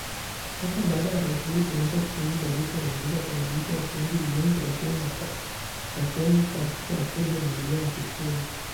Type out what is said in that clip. Hata baada ya Rais Uhuru Kenyatta kusaini bajeti ya nyongeza kwa malipo ya shilingi bilioni thelathini za Kenya kwa Mfuko wa Kodi ya Maendeleo ya Petroli.